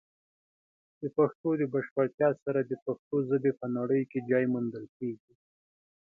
د پښتو د بشپړتیا سره، د پښتو ژبې په نړۍ کې ځای موندل کیږي.